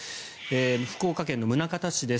福岡県の宗像市です。